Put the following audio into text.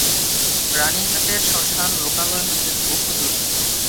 রানীহাটের শ্মশান লোকালয় হইতে বহুদূরে।